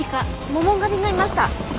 モモンガ便がいました。